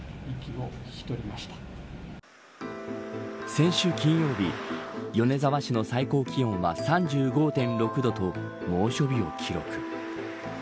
先週金曜日米沢市の最高気温は３５．６度と猛暑日を記録。